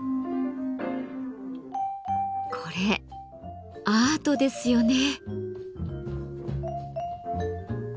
これアートですよね。